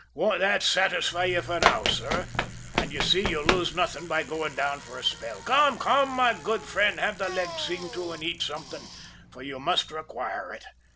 "Won't that satisfy you now, sir, and you see you'll lose nothing by going below for a spell? Come, come, my good friend, have the leg seen to and eat something, for you must require it.